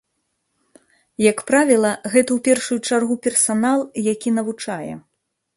Як правіла, гэта ў першую чаргу персанал, які навучае.